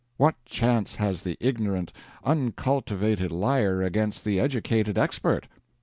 What chance has the ignorant, uncultivated liar against the educated expert?